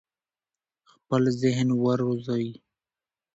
خپل ذهن وروزی.